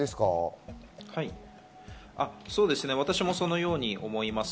私もそのように思います。